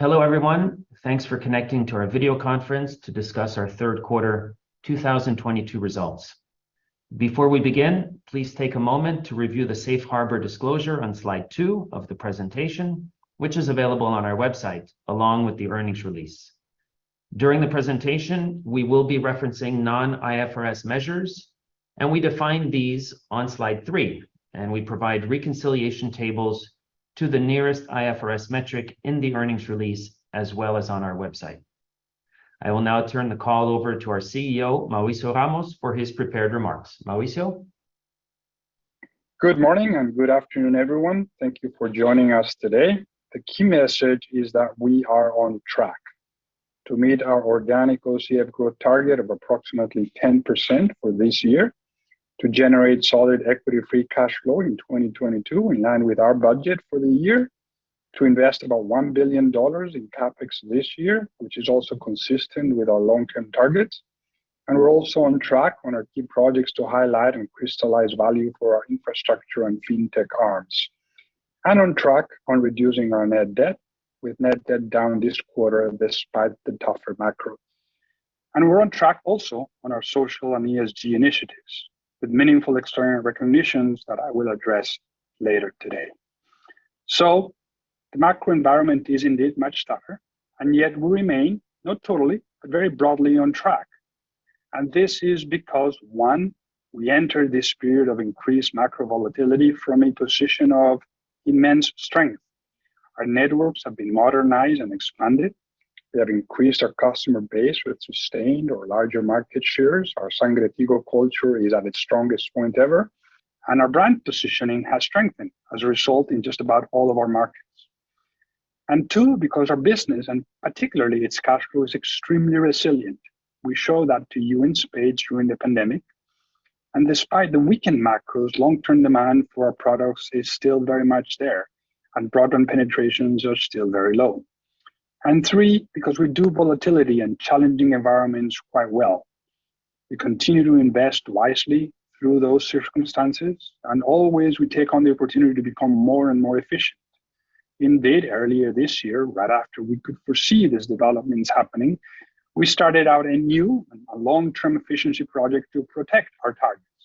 Hello, everyone. Thanks for connecting to our video conference to discuss our third quarter 2022 results. Before we begin, please take a moment to review the safe harbor disclosure on slide two of the presentation, which is available on our website along with the earnings release. During the presentation, we will be referencing non-IFRS measures, and we define these on slide three. We provide reconciliation tables to the nearest IFRS metric in the earnings release, as well as on our website. I will now turn the call over to our CEO, Mauricio Ramos, for his prepared remarks. Mauricio? Good morning and good afternoon, everyone. Thank you for joining us today. The key message is that we are on track to meet our organic OCF growth target of approximately 10% for this year to generate solid equity free cash flow in 2022, in line with our budget for the year, to invest about $1 billion in CapEx this year, which is also consistent with our long-term targets. We're also on track on our key projects to highlight and crystallize value for our infrastructure and fintech arms. On track on reducing our net debt, with net debt down this quarter despite the tougher macro. We're on track also on our social and ESG initiatives with meaningful external recognitions that I will address later today. The macro environment is indeed much tougher, and yet we remain, not totally, but very broadly on track. This is because, one, we entered this period of increased macro volatility from a position of immense strength. Our networks have been modernized and expanded. We have increased our customer base with sustained or larger market shares. Our Sangre Tigo culture is at its strongest point ever. Our brand positioning has strengthened as a result in just about all of our markets. Two, because our business, and particularly its cash flow, is extremely resilient. We show that to you in spades during the pandemic. Despite the weakened macros, long-term demand for our products is still very much there, and broadband penetrations are still very low. Three, because we do volatility and challenging environments quite well. We continue to invest wisely through those circumstances, and always we take on the opportunity to become more and more efficient. Indeed, earlier this year, right after we could foresee these developments happening, we started a new and a long-term efficiency project to protect our targets.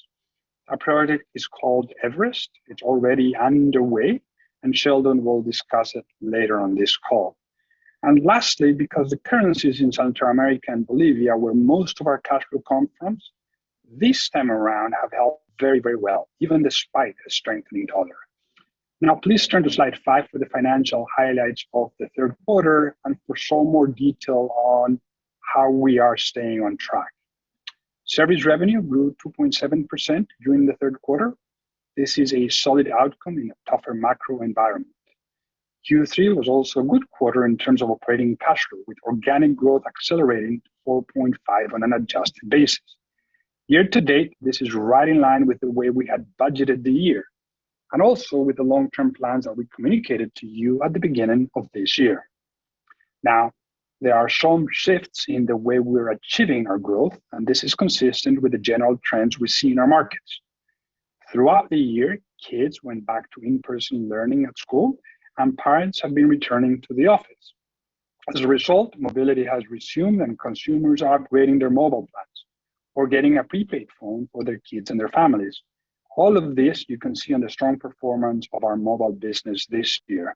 Our project is called Everest. It's already underway, and Sheldon will discuss it later on this call. Lastly, because the currencies in Central America and Bolivia, where most of our cash flow comes from, this time around have held very, very well, even despite a strengthening dollar. Now please turn to slide five for the financial highlights of the third quarter and for some more detail on how we are staying on track. Service revenue grew 2.7% during the third quarter. This is a solid outcome in a tougher macro environment. Q3 was also a good quarter in terms of operating cash flow, with organic growth accelerating to 4.5% on an adjusted basis. Year to date, this is right in line with the way we had budgeted the year, and also with the long-term plans that we communicated to you at the beginning of this year. Now, there are some shifts in the way we're achieving our growth, and this is consistent with the general trends we see in our markets. Throughout the year, kids went back to in-person learning at school, and parents have been returning to the office. As a result, mobility has resumed, and consumers are upgrading their mobile plans or getting a prepaid phone for their kids and their families. All of this you can see on the strong performance of our mobile business this year.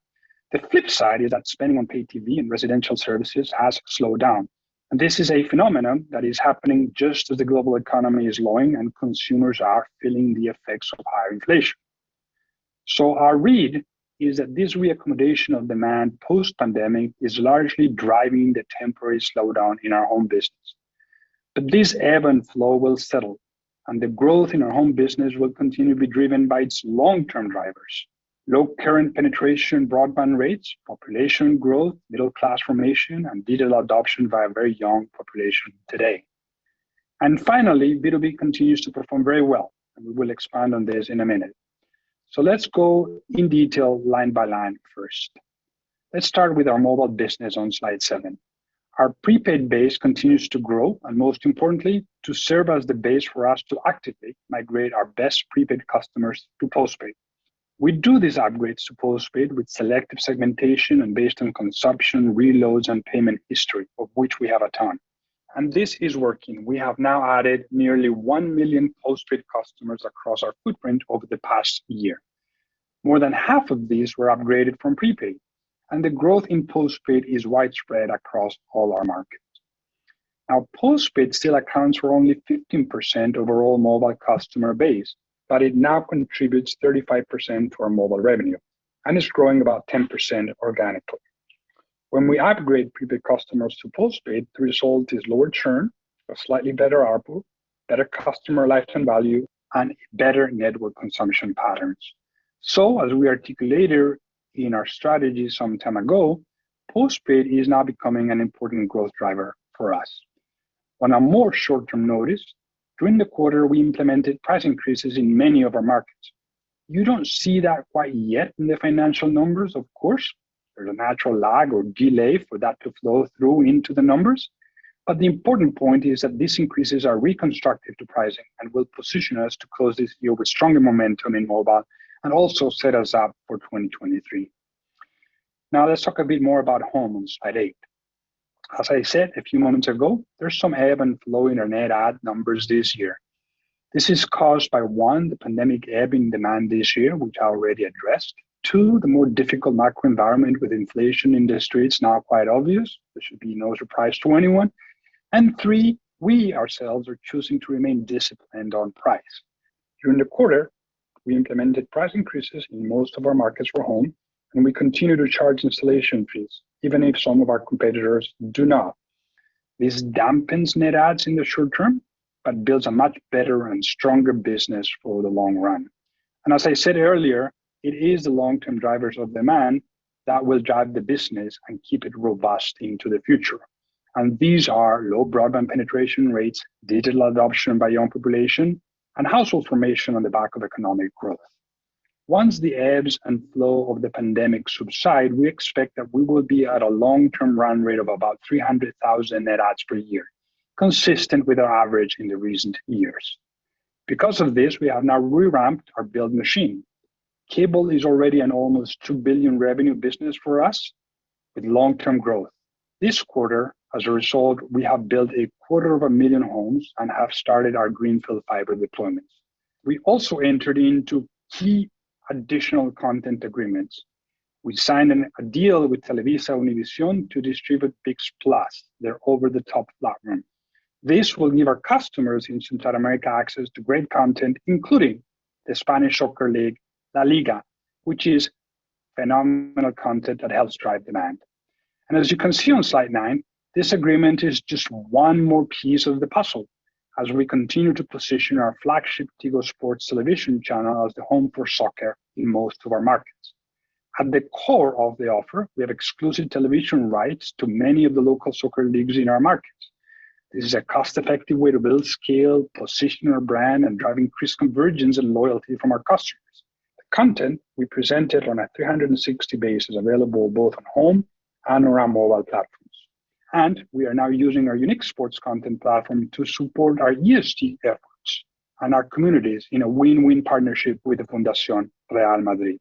The flip side is that spending on pay TV and residential services has slowed down. This is a phenomenon that is happening just as the global economy is slowing and consumers are feeling the effects of higher inflation. Our read is that this reaccommodation of demand post-pandemic is largely driving the temporary slowdown in our home business. This ebb and flow will settle, and the growth in our home business will continue to be driven by its long-term drivers, low current penetration broadband rates, population growth, middle class formation, and digital adoption by a very young population today. Finally, B2B continues to perform very well, and we will expand on this in a minute. Let's go in detail line by line first. Let's start with our mobile business on slide seven. Our prepaid base continues to grow, and most importantly, to serve as the base for us to actively migrate our best prepaid customers to postpaid. We do these upgrades to postpaid with selective segmentation and based on consumption, reloads, and payment history, of which we have a ton. This is working. We have now added nearly 1 million postpaid customers across our footprint over the past year. More than half of these were upgraded from prepaid, and the growth in postpaid is widespread across all our markets. Now, postpaid still accounts for only 15% of our all mobile customer base, but it now contributes 35% to our mobile revenue and is growing about 10% organically. When we upgrade prepaid customers to postpaid, the result is lower churn, a slightly better ARPU, better customer lifetime value, and better network consumption patterns. As we articulated in our strategy some time ago, postpaid is now becoming an important growth driver for us. On a more short-term notice, during the quarter, we implemented price increases in many of our markets. You don't see that quite yet in the financial numbers, of course. There's a natural lag or delay for that to flow through into the numbers. The important point is that these increases are reconstructive to pricing and will position us to close this year with stronger momentum in mobile, and also set us up for 2023. Now let's talk a bit more about Home on slide eight. As I said a few moments ago, there's some ebb and flow in our net add numbers this year. This is caused by, one, the pandemic ebbing demand this year, which I already addressed. Two, the more difficult macro environment with inflation in this industry, it's now quite obvious. There should be no surprise to anyone. Three, we ourselves are choosing to remain disciplined on price. During the quarter, we implemented price increases in most of our markets for Home, and we continue to charge installation fees even if some of our competitors do not. This dampens net adds in the short term, but builds a much better and stronger business for the long run. As I said earlier, it is the long-term drivers of demand that will drive the business and keep it robust into the future. These are low broadband penetration rates, digital adoption by young population, and household formation on the back of economic growth. Once the ebbs and flow of the pandemic subside, we expect that we will be at a long-term run rate of about 300,000 net adds per year, consistent with our average in the recent years. Because of this, we have now reramped our build machine. Cable is already an almost $2 billion revenue business for us with long-term growth. This quarter, as a result, we have built 250,000 homes and have started our greenfield fiber deployments. We also entered into key additional content agreements. We signed a deal with TelevisaUnivision to distribute ViX+, their over-the-top platform. This will give our customers in Central America access to great content, including the Spanish Soccer League, LaLiga, which is phenomenal content that helps drive demand. As you can see on slide nine, this agreement is just one more piece of the puzzle as we continue to position our flagship Tigo Sports television channel as the home for soccer in most of our markets. At the core of the offer, we have exclusive television rights to many of the local soccer leagues in our markets. This is a cost-effective way to build scale, position our brand, and drive increased convergence and loyalty from our customers. The content we presented on a 360 basis available both on Home and around mobile platforms. We are now using our unique sports content platform to support our ESG efforts and our communities in a win-win partnership with the Fundación Real Madrid.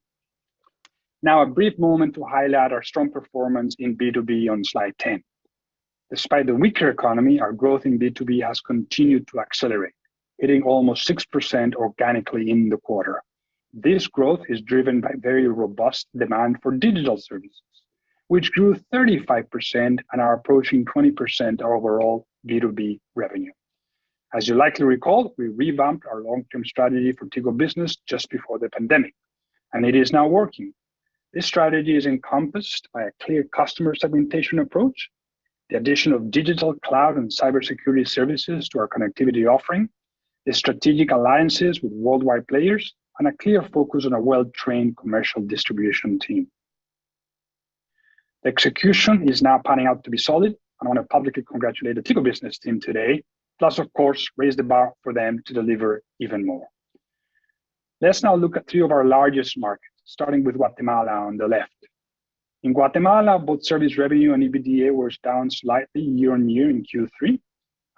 Now, a brief moment to highlight our strong performance in B2B on slide 10. Despite the weaker economy, our growth in B2B has continued to accelerate, hitting almost 6% organically in the quarter. This growth is driven by very robust demand for digital services, which grew 35% and are approaching 20% of overall B2B revenue. As you likely recall, we revamped our long-term strategy for Tigo Business just before the pandemic, and it is now working. This strategy is encompassed by a clear customer segmentation approach, the addition of digital cloud and cybersecurity services to our connectivity offering, the strategic alliances with worldwide players, and a clear focus on a well-trained commercial distribution team. Execution is now panning out to be solid. I wanna publicly congratulate the Tigo Business team today, plus of course, raise the bar for them to deliver even more. Let's now look at three of our largest markets, starting with Guatemala on the left. In Guatemala, both service revenue and EBITDA was down slightly year-on-year in Q3.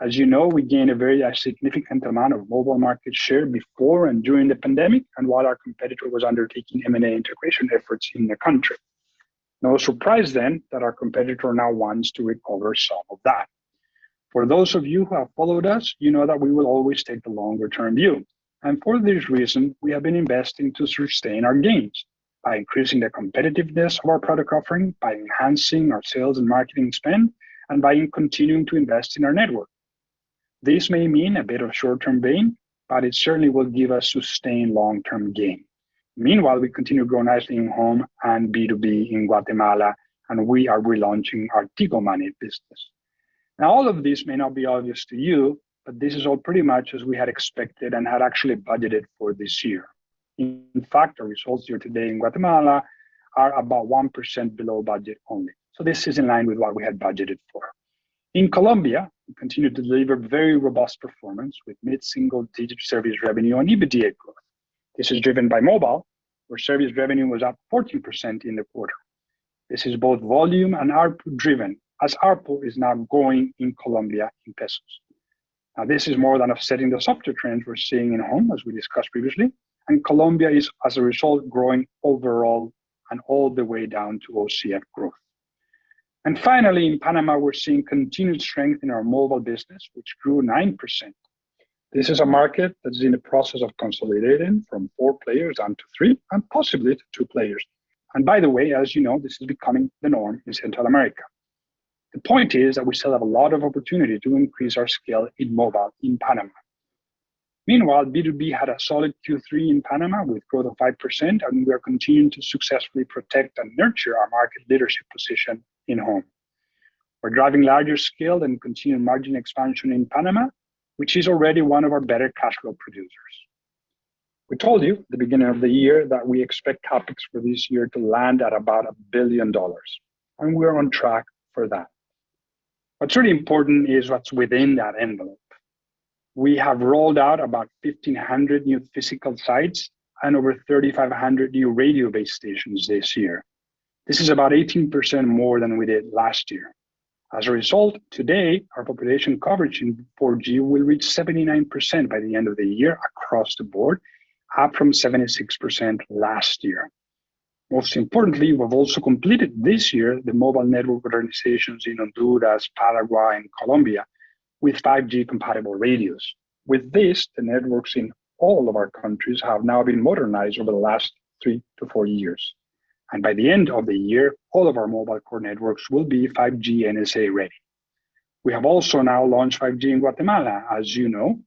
As you know, we gained a very significant amount of mobile market share before and during the pandemic and while our competitor was undertaking M&A integration efforts in the country. No surprise then that our competitor now wants to recover some of that. For those of you who have followed us, you know that we will always take the longer-term view. For this reason, we have been investing to sustain our gains by increasing the competitiveness of our product offering, by enhancing our sales and marketing spend, and by continuing to invest in our network. This may mean a bit of short-term bane, but it certainly will give us sustained long-term gain. Meanwhile, we continue to grow nicely in Home and B2B in Guatemala, and we are relaunching our Tigo Money business. Now all of this may not be obvious to you, but this is all pretty much as we had expected and had actually budgeted for this year. In fact, our results here today in Guatemala are about 1% below budget only. This is in line with what we had budgeted for. In Colombia, we continue to deliver very robust performance with mid-single-digit service revenue and EBITDA growth. This is driven by mobile, where service revenue was up 14% in the quarter. This is both volume and ARPU driven, as ARPU is now growing in Colombia in pesos. Now, this is more than offsetting the softer trends we're seeing in Home, as we discussed previously. Colombia is, as a result, growing overall and all the way down to OCF growth. Finally, in Panama, we're seeing continued strength in our mobile business, which grew 9%. This is a market that is in the process of consolidating from four players down to three and possibly to two players. By the way, as you know, this is becoming the norm in Central America. The point is that we still have a lot of opportunity to increase our scale in mobile in Panama. Meanwhile, B2B had a solid Q3 in Panama with growth of 5%, and we are continuing to successfully protect and nurture our market leadership position in Home. We're driving larger scale and continued margin expansion in Panama, which is already one of our better cash flow producers. We told you at the beginning of the year that we expect CapEx for this year to land at about $1 billion, and we are on track for that. What's really important is what's within that envelope. We have rolled out about 1,500 new physical sites and over 3,500 new radio base stations this year. This is about 18% more than we did last year. As a result, today, our population coverage in 4G will reach 79% by the end of the year across the board, up from 76% last year. Most importantly, we've also completed this year the mobile network modernizations in Honduras, Paraguay, and Colombia with 5G-compatible radios. With this, the networks in all of our countries have now been modernized over the last 3-4 years. By the end of the year, all of our mobile core networks will be 5G NSA ready. We have also now launched 5G in Guatemala, as you know,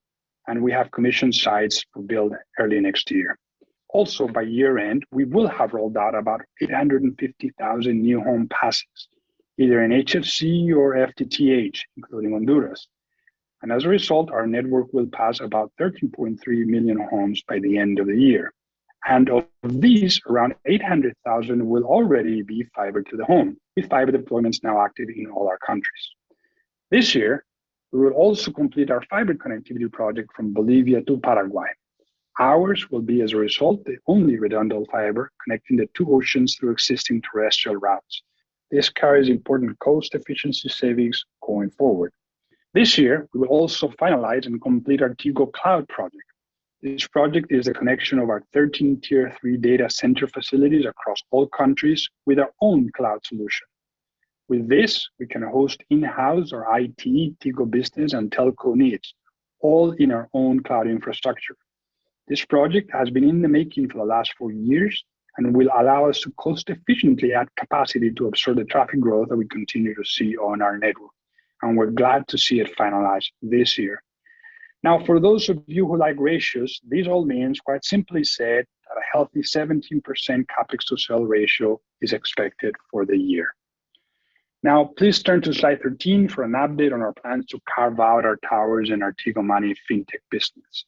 and we have commissioned sites to build early next year. Also, by year-end, we will have rolled out about 850,000 new home passes, either in HFC or FTTH, including Honduras. As a result, our network will pass about 13.3 million homes by the end of the year. Of these, around 800,000 will already be fiber to the home, with fiber deployments now active in all our countries. This year, we will also complete our fiber connectivity project from Bolivia to Paraguay. Ours will be, as a result, the only redundant fiber connecting the two oceans through existing terrestrial routes. This carries important cost efficiency savings going forward. This year, we will also finalize and complete our Tigo Cloud project. This project is a connection of our 13 Tier III data center facilities across all countries with our own cloud solution. With this, we can host in-house our IT, Tigo Business, and telco needs, all in our own cloud infrastructure. This project has been in the making for the last four years and will allow us to cost efficiently add capacity to absorb the traffic growth that we continue to see on our network, and we're glad to see it finalized this year. Now, for those of you who like ratios, this all means, quite simply said, that a healthy 17% CapEx to sales ratio is expected for the year. Now, please turn to slide 13 for an update on our plans to carve out our towers in our Tigo Money Fintech business.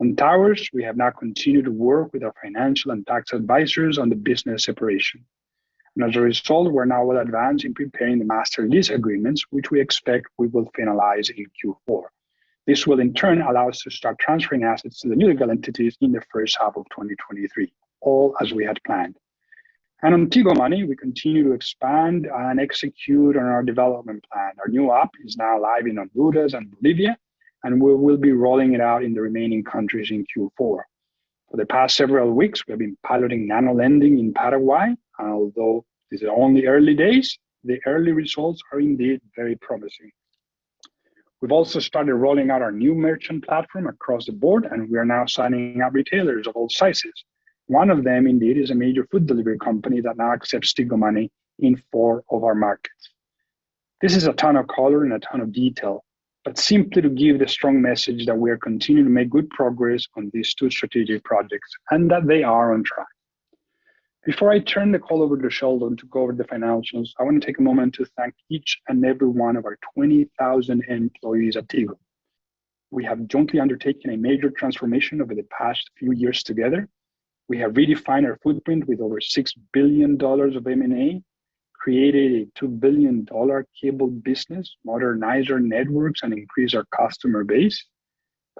On towers, we have now continued to work with our financial and tax advisors on the business separation. As a result, we're now well advanced in preparing the master lease agreements, which we expect we will Finalize in Q4. This will, in turn, allow us to start transferring assets to the new legal entities in the first half of 2023, all as we had planned. On Tigo Money, we continue to expand and execute on our development plan. Our new app is now live in Honduras and Bolivia, and we will be rolling it out in the remaining countries in Q4. For the past several weeks, we have been piloting nano-lending in Paraguay, and although this is only early days, the early results are indeed very promising. We've also started rolling out our new merchant platform across the board, and we are now signing up retailers of all sizes. One of them, indeed, is a major food delivery company that now accepts Tigo Money in four of our markets. This is a ton of color and a ton of detail, but simply to give the strong message that we are continuing to make good progress on these two strategic projects and that they are on track. Before I turn the call over to Sheldon to go over the financials, I wanna take a moment to thank each and every one of our 20,000 employees at Tigo. We have jointly undertaken a major transformation over the past few years together. We have redefined our footprint with over $6 billion of M&A, created a $2 billion cable business, modernized our networks, and increased our customer base.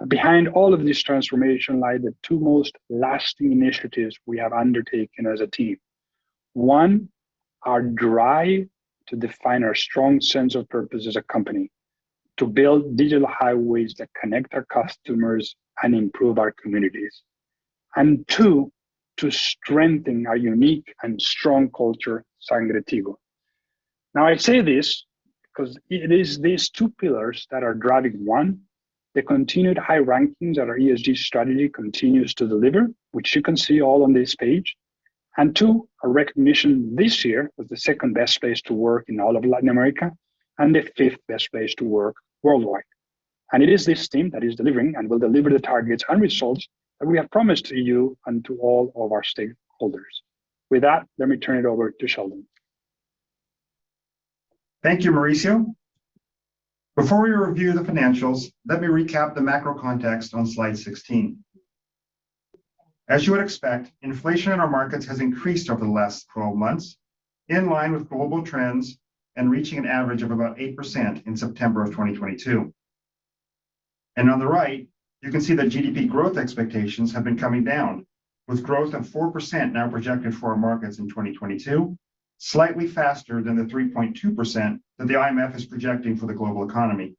Behind all of this transformation lie the two most lasting initiatives we have undertaken as a team. One, our drive to define our strong sense of purpose as a company to build digital highways that connect our customers and improve our communities. Two, to strengthen our unique and strong culture, Sangre Tigo. Now, I say this because it is these two pillars that are driving, one, the continued high rankings that our ESG strategy continues to deliver, which you can see all on this page. Two, a recognition this year as the second-best place to work in all of Latin America and the fifth best place to work worldwide. It is this team that is delivering and will deliver the targets and results that we have promised to you and to all of our stakeholders. With that, let me turn it over to Sheldon. Thank you, Mauricio. Before we review the financials, let me recap the macro context on slide 16. As you would expect, inflation in our markets has increased over the last 12 months, in line with global trends and reaching an average of about 8% in September of 2022. On the right, you can see that GDP growth expectations have been coming down, with growth of 4% now projected for our markets in 2022, slightly faster than the 3.2% that the IMF is projecting for the global economy.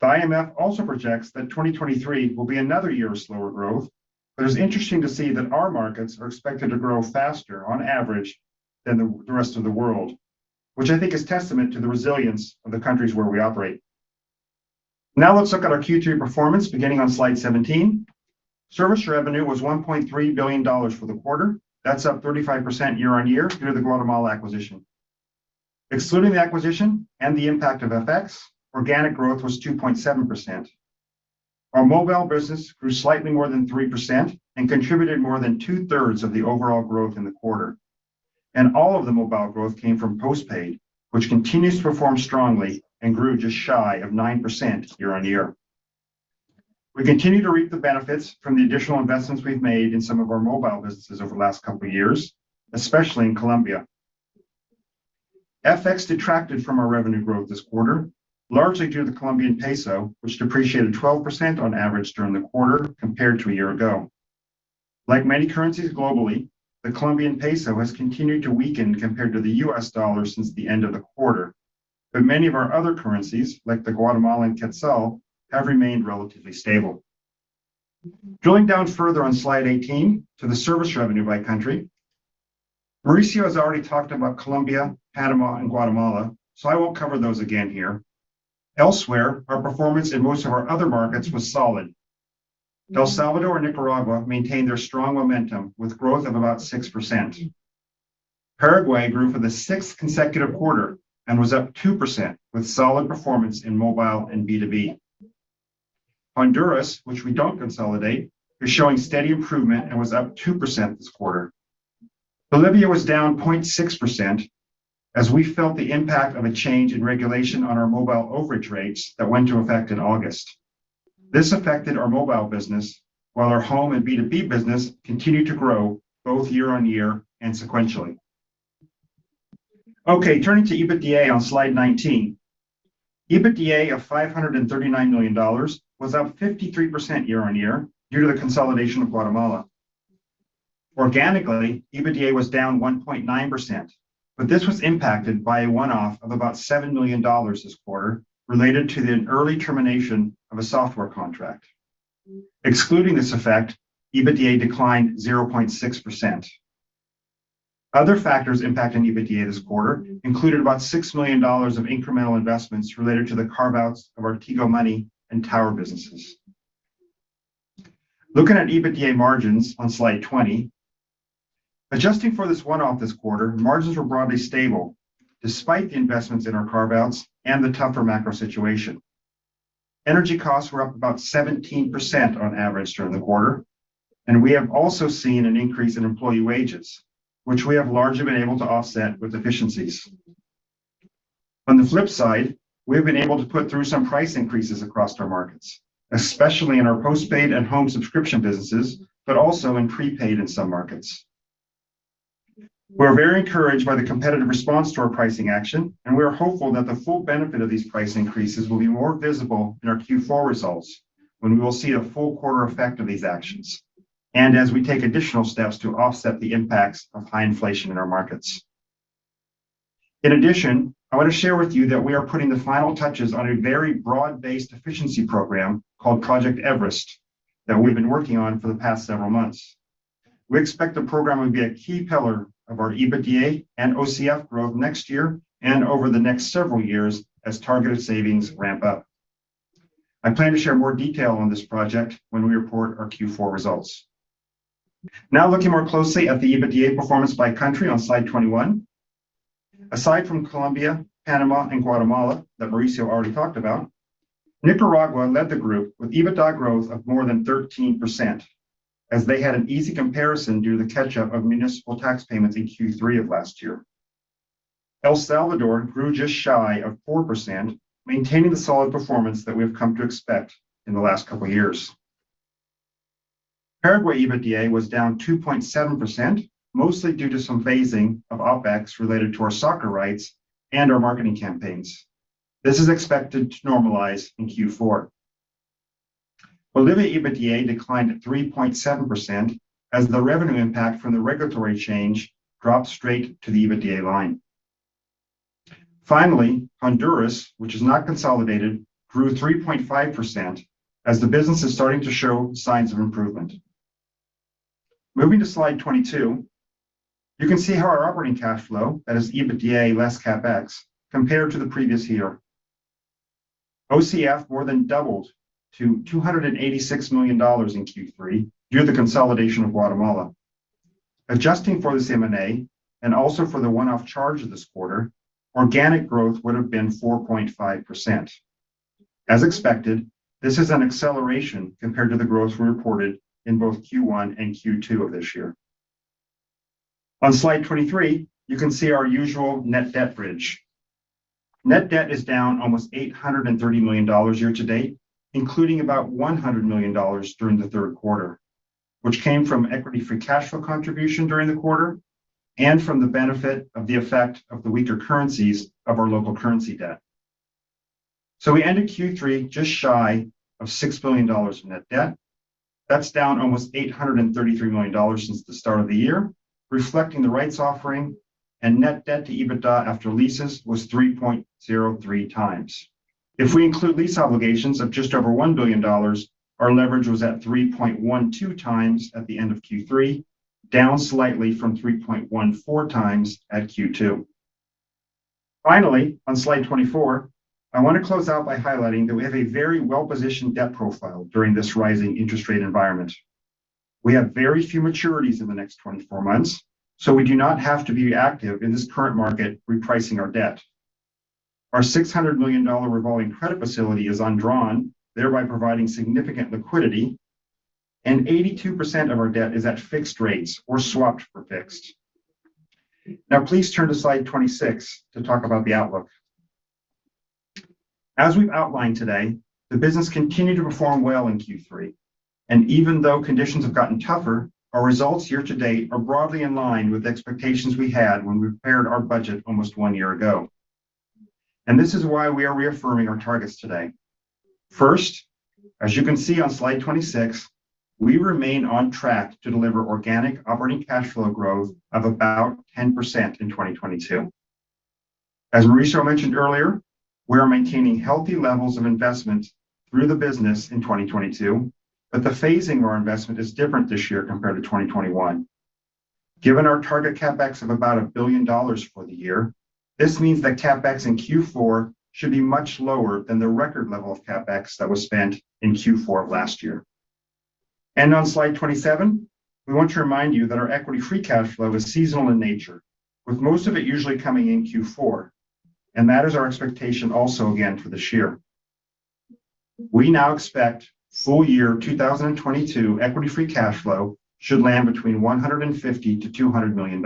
The IMF also projects that 2023 will be another year of slower growth, but it's interesting to see that our markets are expected to grow faster on average than the rest of the world, which I think is testament to the resilience of the countries where we operate. Now let's look at our Q3 performance, beginning on slide 17. Service revenue was $1.3 billion for the quarter. That's up 35% year-on-year due to the Guatemala acquisition. Excluding the acquisition and the impact of FX, organic growth was 2.7%. Our mobile business grew slightly more than 3% and contributed more than two-thirds of the overall growth in the quarter. All of the mobile growth came from postpaid, which continues to perform strongly and grew just shy of 9% year-on-year. We continue to reap the benefits from the additional investments we've made in some of our mobile businesses over the last couple of years, especially in Colombia. FX detracted from our revenue growth this quarter largely due to the Colombian peso, which depreciated 12% on average during the quarter compared to a year ago. Like many currencies globally, the Colombian peso has continued to weaken compared to the US dollar since the end of the quarter, but many of our other currencies like the Guatemalan quetzal have remained relatively stable. Drilling down further on slide 18 to the service revenue by country, Mauricio has already talked about Colombia, Panama and Guatemala, so I won't cover those again here. Elsewhere, our performance in most of our other markets was solid. El Salvador and Nicaragua maintained their strong momentum with growth of about 6%. Paraguay grew for the sixth consecutive quarter and was up 2% with solid performance in mobile and B2B. Honduras, which we don't consolidate, is showing steady improvement and was up 2% this quarter. Bolivia was down 0.6% as we felt the impact of a change in regulation on our mobile overage rates that went to effect in August. This affected our mobile business while our home and B2B business continued to grow both year-on-year and sequentially. Okay, turning to EBITDA on slide 19. EBITDA of $539 million was up 53% year-on-year due to the consolidation of Guatemala. Organically, EBITDA was down 1.9%, but this was impacted by a one-off of about $7 million this quarter related to the early termination of a software contract. Excluding this effect, EBITDA declined 0.6%. Other factors impacting EBITDA this quarter included about $6 million of incremental investments related to the carve-outs of our Tigo Money and tower businesses. Looking at EBITDA margins on slide 20, adjusting for this one-off this quarter, margins were broadly stable despite the investments in our carve-outs and the tougher macro situation. Energy costs were up about 17% on average during the quarter, and we have also seen an increase in employee wages, which we have largely been able to offset with efficiencies. On the flip side, we have been able to put through some price increases across our markets, especially in our postpaid and home subscription businesses, but also in prepaid in some markets. We're very encouraged by the competitive response to our pricing action, and we are hopeful that the full benefit of these price increases will be more visible in our Q4 results when we will see a full quarter effect of these actions and as we take additional steps to offset the impacts of high inflation in our markets. In addition, I want to share with you that we are putting the final touches on a very broad-based efficiency program called Project Everest that we've been working on for the past several months. We expect the program will be a key pillar of our EBITDA and OCF growth next year and over the next several years as targeted savings ramp up. I plan to share more detail on this project when we report our Q4 results. Now looking more closely at the EBITDA performance by country on slide 21. Aside from Colombia, Panama and Guatemala that Mauricio already talked about, Nicaragua led the group with EBITDA growth of more than 13% as they had an easy comparison due to the catch-up of municipal tax payments in Q3 of last year. El Salvador grew just shy of 4%, maintaining the solid performance that we've come to expect in the last couple of years. Paraguay EBITDA was down 2.7%, mostly due to some phasing of OpEx related to our soccer rights and our marketing campaigns. This is expected to normalize in Q4. Bolivia EBITDA declined at 3.7% as the revenue impact from the regulatory change dropped straight to the EBITDA line. Finally, Honduras, which is not consolidated, grew 3.5% as the business is starting to show signs of improvement. Moving to slide 22, you can see how our operating cash flow, that is EBITDA less CapEx, compared to the previous year. OCF more than doubled to $286 million in Q3 due to the consolidation of Guatemala. Adjusting for this M&A and also for the one-off charge this quarter, organic growth would have been 4.5%. As expected, this is an acceleration compared to the growth we reported in both Q1 and Q2 of this year. On slide 23, you can see our usual net debt bridge. Net debt is down almost $830 million year to date, including about $100 million during the third quarter, which came from equity free cash flow contribution during the quarter and from the benefit of the effect of the weaker currencies of our local currency debt. We ended Q3 just shy of $6 billion in net debt. That's down almost $833 million since the start of the year, reflecting the rights offering and net debt to EBITDA after leases was 3.03 times. If we include lease obligations of just over $1 billion, our leverage was at 3.12x at the end of Q3, down slightly from 3.14x at Q2. Finally, on slide 24, I want to close out by highlighting that we have a very well-positioned debt profile during this rising interest rate environment. We have very few maturities in the next 24 months, so we do not have to be active in this current market repricing our debt. Our $600 million revolving credit facility is undrawn, thereby providing significant liquidity, and 82% of our debt is at fixed rates or swapped for fixed. Now, please turn to slide 26 to talk about the outlook. As we've outlined today, the business continued to perform well in Q3. Even though conditions have gotten tougher, our results here to date are broadly in line with the expectations we had when we prepared our budget almost one year ago. This is why we are reaffirming our targets today. First, as you can see on slide 26, we remain on track to deliver organic operating cash flow growth of about 10% in 2022. As Mauricio mentioned earlier, we're maintaining healthy levels of investment through the business in 2022, but the phasing of our investment is different this year compared to 2021. Given our target CapEx of about $1 billion for the year, this means that CapEx in Q4 should be much lower than the record level of CapEx that was spent in Q4 of last year. On slide 27, we want to remind you that our equity free cash flow is seasonal in nature, with most of it usually coming in Q4, and that is our expectation also again for this year. We now expect full year 2022 equity free cash flow should land between $150 million-$200 million.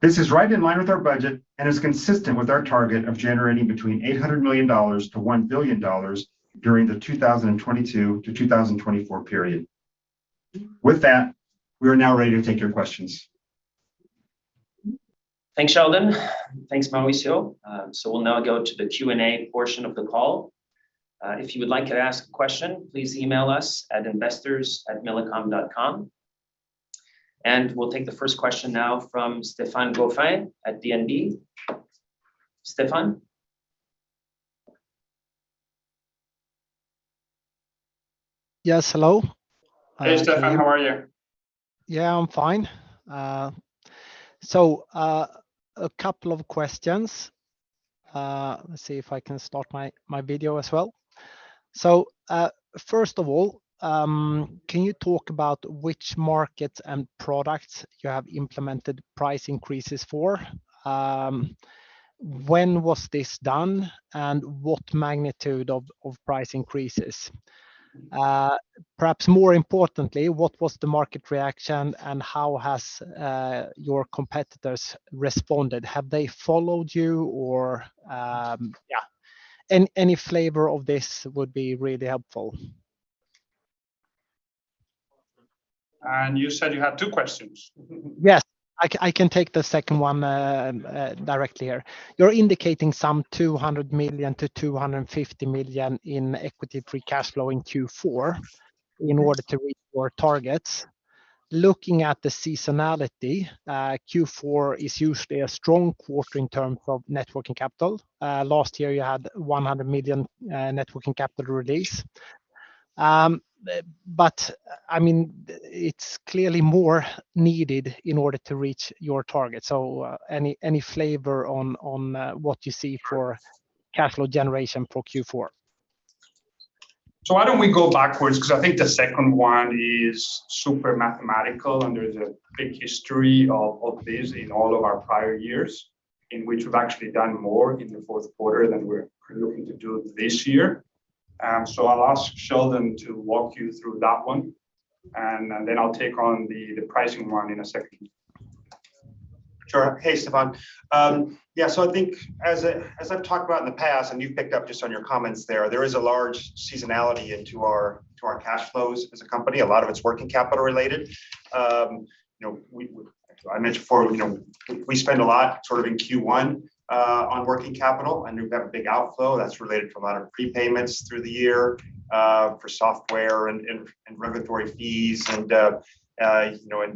This is right in line with our budget and is consistent with our target of generating between $800 million-$1 billion during the 2022-2024 period. With that, we are now ready to take your questions. Thanks, Sheldon. Thanks, Mauricio. We'll now go to the Q&A portion of the call. If you would like to ask a question, please email us at investors@millicom.com. We'll take the first question now from Stefan Gauffin at DNB. Stefan? Yes, hello. Hey, Stefan. How are you? Yeah, I'm fine. A couple of questions. Let's see if I can start my video as well. Can you talk about which markets and products you have implemented price increases for? When was this done, and what magnitude of price increases? Perhaps more importantly, what was the market reaction and how has your competitors responded? Have they followed you or. Any flavor of this would be really helpful. You said you had two questions. Yes. I can take the second one directly here. You're indicating some $200 million-$250 million in equity free cash flow in Q4 in order to reach your targets. Looking at the seasonality, Q4 is usually a strong quarter in terms of working capital. Last year you had $100 million working capital release. But I mean, it's clearly more needed in order to reach your target. Any flavor on what you see for cash flow generation for Q4? Why don't we go backwards, 'cause I think the second one is super mathematical, and there's a big history of this in all of our prior years in which we've actually done more in the fourth quarter than we're looking to do this year. I'll ask Sheldon to walk you through that one, and then I'll take on the pricing one in a second. Sure. Hey, Stefan. I think as I've talked about in the past, and you've picked up just on your comments there is a large seasonality to our cash flows as a company. A lot of it's working capital related. You know, I mentioned before, you know, we spend a lot sort of in Q1 on working capital, and we've got a big outflow that's related to a lot of prepayments through the year for software and regulatory fees and, you know,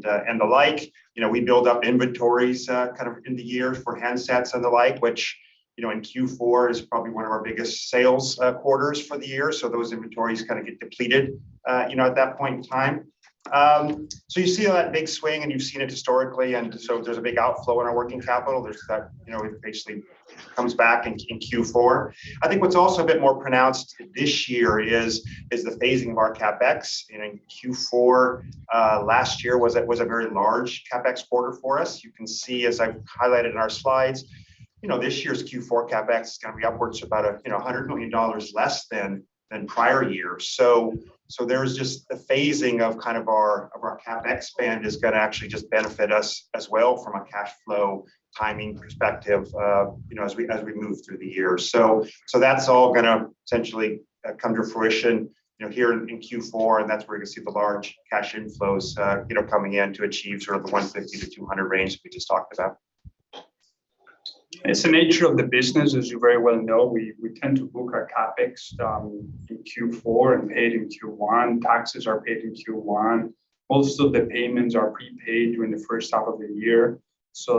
the like. You know, we build up inventories kind of in the year for handsets and the like, which, you know, in Q4 is probably one of our biggest sales quarters for the year. Those inventories kind of get depleted, you know, at that point in time. You see that big swing, and you've seen it historically, and so there's a big outflow in our working capital. There's that, you know, it basically comes back in Q4. I think what's also a bit more pronounced this year is the phasing of our CapEx. You know, Q4 last year was a very large CapEx quarter for us. You can see, as I've highlighted in our slides, you know, this year's Q4 CapEx is gonna be upwards of about $100 million less than prior years. There's just the phasing of kind of our CapEx spend that's gonna actually just benefit us as well from a cash flow timing perspective as we move through the year. That's all gonna potentially come to fruition here in Q4, and that's where you're gonna see the large cash inflows coming in to achieve sort of the $150 million-$200 million range that we just talked about. It's the nature of the business, as you very well know. We tend to book our CapEx in Q4 and pay it in Q1. Taxes are paid in Q1. Most of the payments are prepaid during the first half of the year.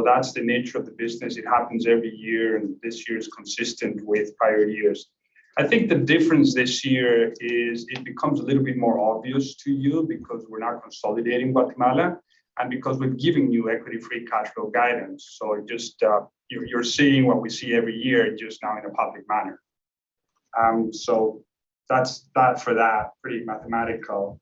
That's the nature of the business. It happens every year, and this year is consistent with prior years. I think the difference this year is it becomes a little bit more obvious to you because we're now consolidating Guatemala and because we're giving you equity free cash flow guidance. Just, you're seeing what we see every year, just now in a public manner. That's that for that. Pretty mathematical.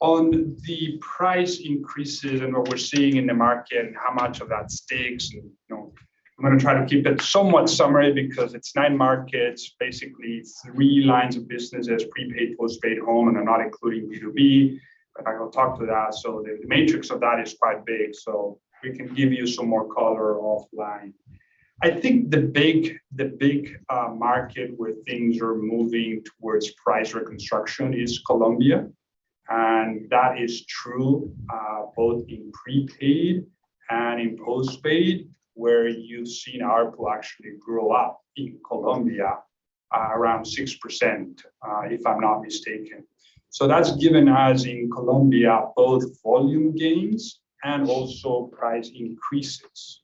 On the price increases and what we're seeing in the market and how much of that sticks and, you know, I'm gonna try to keep it somewhat summary because it's nine markets. Basically, it's three lines of business. There's prepaid, postpaid, home, and I'm not including B2B, but I will talk to that. The matrix of that is quite big, so we can give you some more color offline. I think the big market where things are moving towards price reconstruction is Colombia. That is true both in prepaid and in postpaid, where you've seen ARPU actually grow up in Colombia around 6%, if I'm not mistaken. That's given us in Colombia both volume gains and also price increases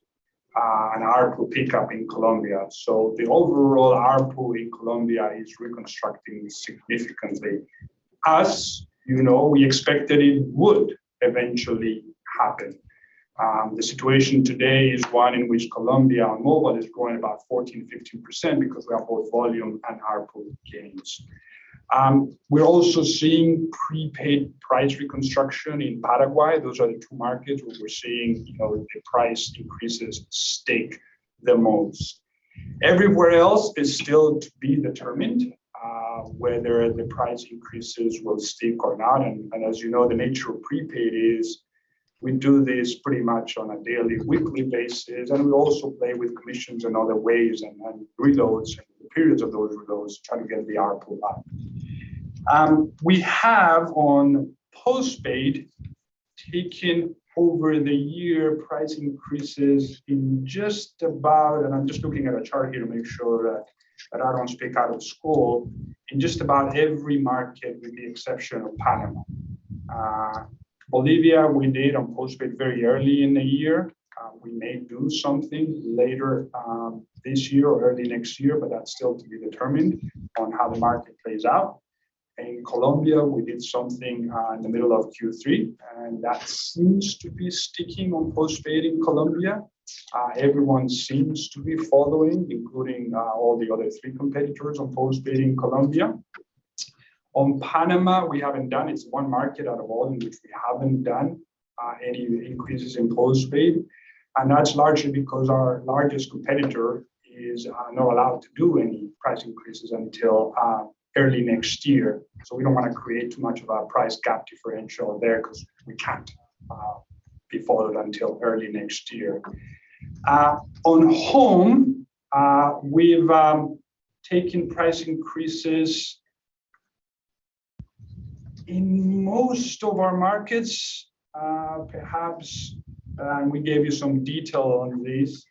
and ARPU pick up in Colombia. The overall ARPU in Colombia is reconstructing significantly. As you know, we expected it would eventually happen. The situation today is one in which Colombia mobile is growing about 14%-15% because we have both volume and ARPU gains. We're also seeing prepaid price reconstruction in Paraguay. Those are the two markets where we're seeing, you know, the price decreases stick the most. Everywhere else is still to be determined whether the price increases will stick or not. As you know, the nature of prepaid is we do this pretty much on a daily, weekly basis, and we also play with commissions and other ways and reloads, periods of those reloads, trying to get the ARPU up. We have on postpaid taken over the year price increases in just about. I'm just looking at a chart here to make sure that I don't speak out of school. In just about every market with the exception of Panama. Bolivia, we did on postpaid very early in the year. We may do something later, this year or early next year, but that's still to be determined on how the market plays out. In Colombia, we did something, in the middle of Q3, and that seems to be sticking on postpaid in Colombia. Everyone seems to be following, including, all the other three competitors on postpaid in Colombia. On Panama, we haven't done. It's one market out of all in which we haven't done, any increases in postpaid. That's largely because our largest competitor is, not allowed to do any price increases until, early next year. We don't wanna create too much of a price gap differential there 'cause we can't, be followed until early next year. On home, we've taken price increases in most of our markets, perhaps, and we gave you some detail on this.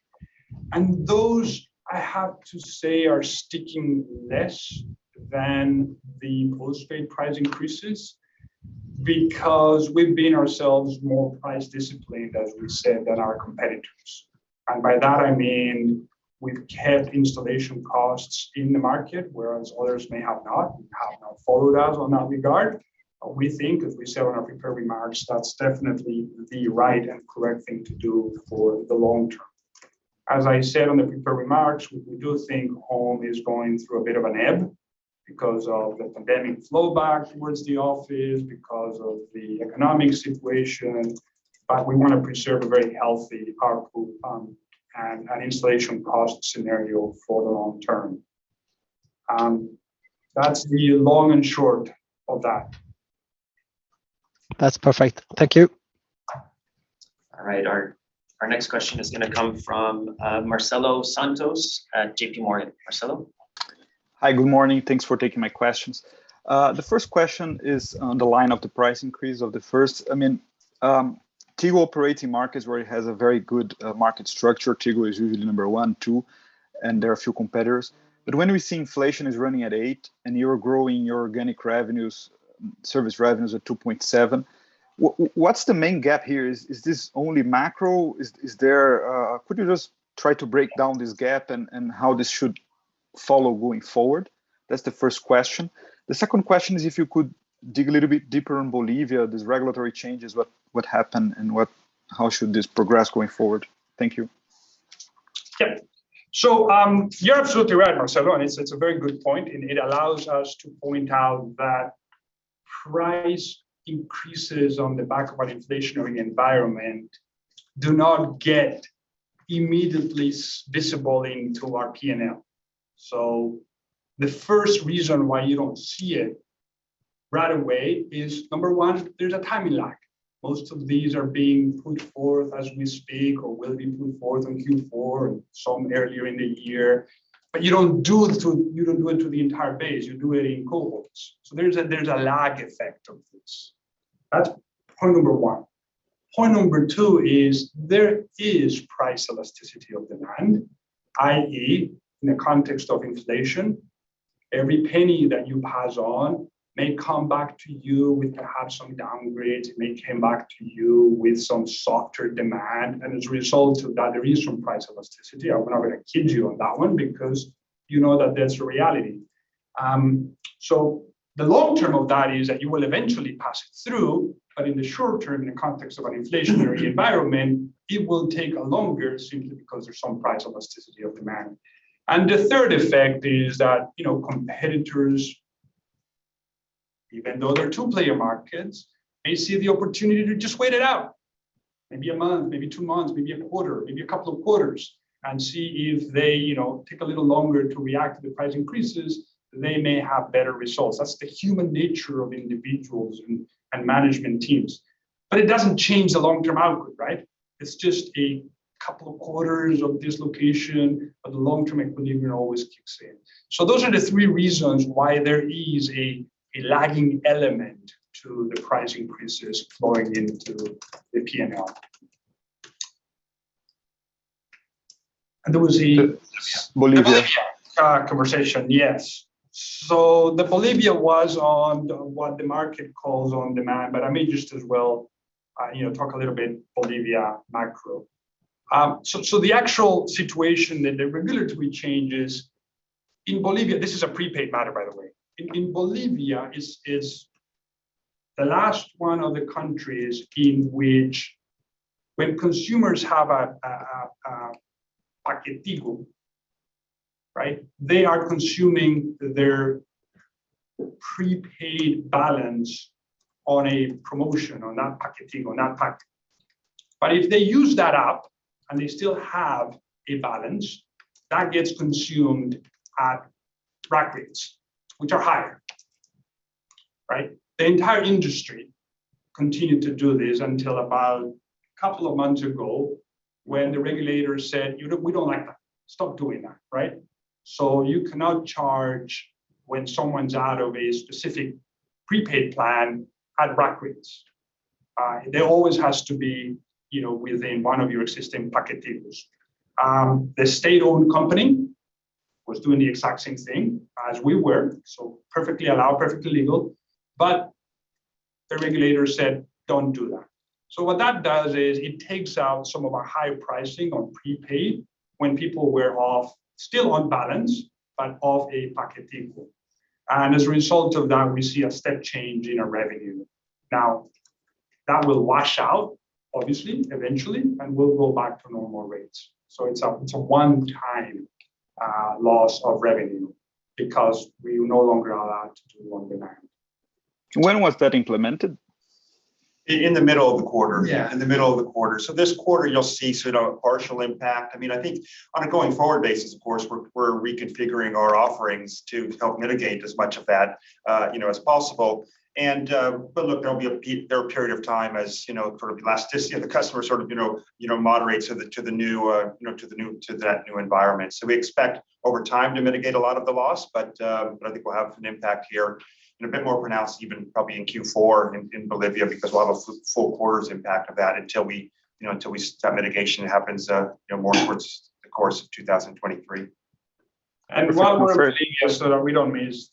Those, I have to say, are sticking less than the postpaid price increases because we've been ourselves more price disciplined, as we said, than our competitors. By that, I mean we've kept installation costs in the market, whereas others may have not followed us on that regard. We think, as we said on our prepared remarks, that's definitely the right and correct thing to do for the long term. As I said on the prepared remarks, we do think home is going through a bit of an ebb because of the pandemic flow back towards the office, because of the economic situation. We wanna preserve a very healthy ARPU, and an installation cost scenario for the long term. That's the long and short of that. That's perfect. Thank you. All right. Our next question is gonna come from Marcelo Santos at JPMorgan. Marcelo? Hi, good morning. Thanks for taking my questions. The first question is regarding price increases in Tigo operating markets where it has a very good market structure. Tigo is usually number one or two, and there are a few competitors. But when we see inflation running at 8% and you're growing your organic revenues, service revenues at 2.7%, what's the main gap here? Is this only macro? Is there... Could you just try to break down this gap and how this should follow going forward? That's the first question. The second question is if you could dig a little bit deeper on Bolivia, these regulatory changes, what happened and how should this progress going forward? Thank you. Yeah, you're absolutely right, Marcelo, and it's a very good point. It allows us to point out that price increases on the back of an inflationary environment do not get immediately visible into our P&L. The first reason why you don't see it right away is, number one, there's a timing lag. Most of these are being put forth as we speak or will be put forth in Q4 and some earlier in the year. You don't do it to the entire base. You do it in cohorts. There's a lag effect of this. That's point number one. Point number two is there is price elasticity of demand, i.e., in the context of inflation, every penny that you pass on may come back to you with perhaps some downgrade. It may come back to you with some softer demand. As a result of that, there is some price elasticity. I'm not gonna kid you on that one because you know that that's a reality. The long term of that is that you will eventually pass it through. In the short term, in the context of an inflationary environment, it will take longer simply because there's some price elasticity of demand. The third effect is that, you know, competitors, even though they're two-player markets, may see the opportunity to just wait it out, maybe a month, maybe two months, maybe a quarter, maybe a couple of quarters, and see if they, you know, take a little longer to react to the price increases, they may have better results. That's the human nature of individuals and management teams. It doesn't change the long-term output, right? It's just a couple of quarters of dislocation, but the long-term equilibrium always kicks in. Those are the three reasons why there is a lagging element to the price increases flowing into the P&L. Bolivia conversation. Yes. The Bolivia was on what the market calls on demand, but I may just as well, you know, talk a little bit Bolivia macro. So the actual situation, the regulatory changes in Bolivia, this is a prepaid matter by the way. In Bolivia is the last one of the countries in which when consumers have a Paquetigo, right? They are consuming their prepaid balance on a promotion on that Paquetigo, on that pack. But if they use that up and they still have a balance, that gets consumed at rack rates, which are higher, right? The entire industry continued to do this until about a couple of months ago when the regulators said, "You know, we don't like that. Stop doing that." Right? You cannot charge when someone's out of a specific prepaid plan at rack rates. There always has to be, you know, within one of your existing Paquetigos. The state-owned company was doing the exact same thing as we were, so perfectly allowed, perfectly legal, but the regulators said, "Don't do that." What that does is it takes out some of our high pricing on prepaid when people were off, still on balance, but off a Paquetigo. As a result of that, we see a step change in our revenue. Now, that will wash out obviously eventually, and we'll go back to normal rates. It's a one-time loss of revenue because we're no longer allowed to do on demand. When was that implemented? In the middle of the quarter. Yeah. In the middle of the quarter. This quarter you'll see sort of a partial impact. I mean, I think on a going forward basis, of course, we're reconfiguring our offerings to help mitigate as much of that, you know, as possible. But look, there'll be a period of time as you know, for elasticity of the customer sort of, you know, moderate to the new environment. We expect over time to mitigate a lot of the loss, but I think we'll have an impact here and a bit more pronounced even probably in Q4 in Bolivia because we'll have a full quarter's impact of that until we, you know, that mitigation happens, you know, more towards the course of 2023. While we're in Bolivia, so that we don't miss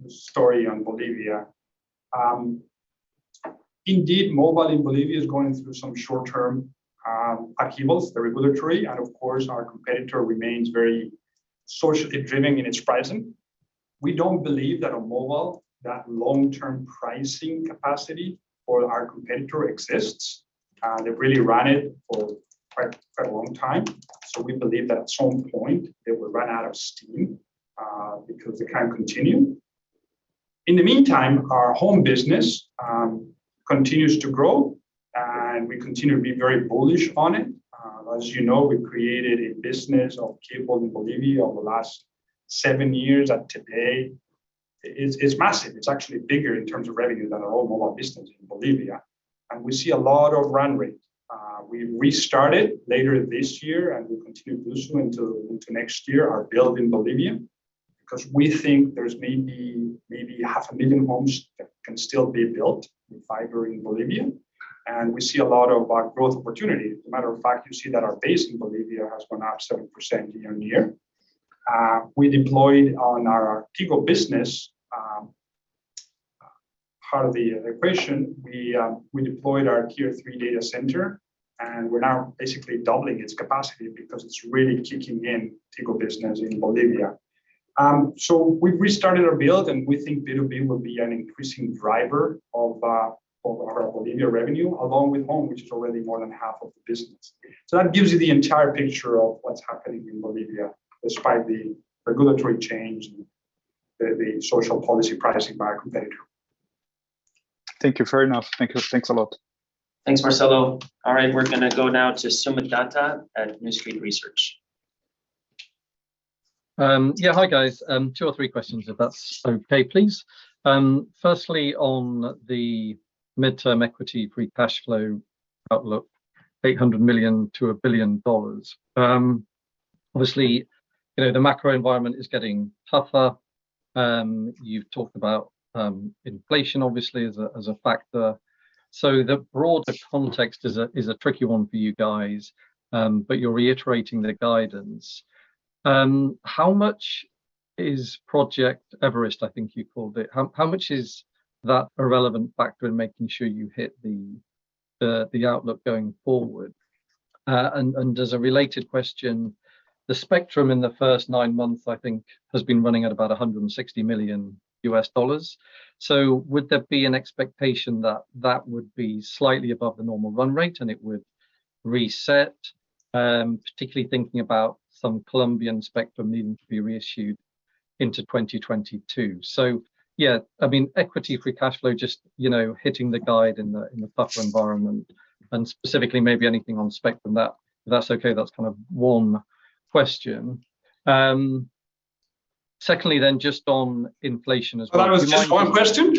the entire story on Bolivia. Indeed mobile in Bolivia is going through some short-term regulatory upheavals, and of course our competitor remains very socially driven in its pricing. We don't believe that mobile long-term pricing capacity for our competitor exists. They've really ran it for quite a long time. We believe that at some point they will run out of steam, because they can't continue. In the meantime, our home business continues to grow, and we continue to be very bullish on it. As you know, we created a business of cable in Bolivia over the last seven years, and today it's massive. It's actually bigger in terms of revenue than our whole mobile business in Bolivia. We see a lot of run rate. We restarted later this year and we'll continue to do so into next year, our build in Bolivia, because we think there's maybe half a million homes that can still be built with fiber in Bolivia. We see a lot of growth opportunity. As a matter of fact, you see that our base in Bolivia has gone up 7% year-on-year. We deployed on our Tigo Business, part of the equation. We deployed our Tier III data center, and we're now basically doubling its capacity because it's really kicking in Tigo Business in Bolivia. We've restarted our build, and we think B2B will be an increasing driver of our Bolivia revenue along with home, which is already more than half of the business. that gives you the entire picture of what's happening in Bolivia despite the regulatory change and the social policy pricing by our competitor. Thank you. Fair enough. Thank you. Thanks a lot. Thanks, Marcelo. All right, we're gonna go now to Soomit Datta at New Street Research. Yeah. Hi, guys. Two or three questions if that's okay, please. Firstly on the midterm equity free cash flow outlook, $800 million to $1 billion. Obviously, you know, the macro environment is getting tougher. You've talked about inflation obviously as a factor. The broader context is a tricky one for you guys, but you're reiterating the guidance. How much is Project Everest, I think you called it, how much is that a relevant factor in making sure you hit the outlook going forward? And as a related question, the spectrum in the first nine months, I think has been running at about $160 million. Would there be an expectation that that would be slightly above the normal run rate and it would reset, particularly thinking about some Colombian spectrum needing to be reissued into 2022. Yeah, I mean, equity free cash flow, just, you know, hitting the guide in the tougher environment and specifically maybe anything on spectrum that, if that's okay. That's kind of one question. Secondly, just on inflation as well. That was just one question?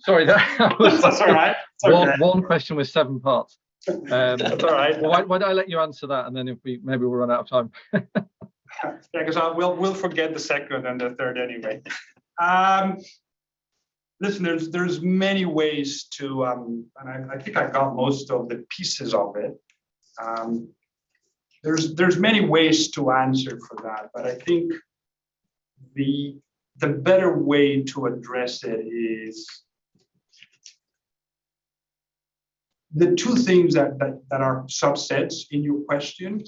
Sorry. That's all right. It's okay. One question with seven parts. That's all right. Why don't I let you answer that, and then if we maybe we'll run out of time. Yeah, 'cause we'll forget the second and the third anyway. Listen, there's many ways to and I think I got most of the pieces of it. There's many ways to answer for that. I think the better way to address it is the two things that are subsets in your question,